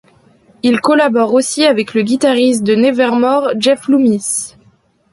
Il collabore aussi avec le guitariste de Nevermore Jeff Loomis.